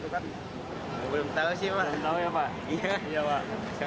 belum tahu sih pak